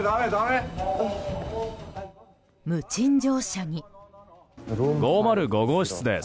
無賃乗車に。